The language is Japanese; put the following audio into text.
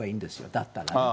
だったらね。